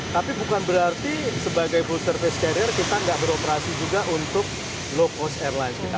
tapi bukan berarti sebagai full service carrier kita nggak beroperasi juga untuk low cost airlines kita